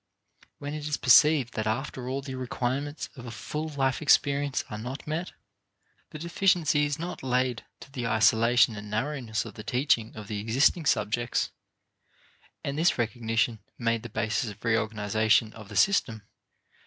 When it is perceived that after all the requirements of a full life experience are not met, the deficiency is not laid to the isolation and narrowness of the teaching of the existing subjects, and this recognition made the basis of reorganization of the system.